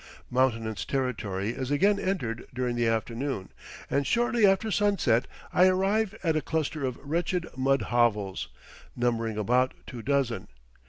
Mountainous territory is again entered during the afternoon, and shortly after sunset I arrive at a cluster of wretched mud hovels, numbering about two dozen.